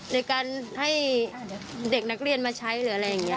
ในการให้เด็กนักเรียนมาใช้หรืออะไรอย่างนี้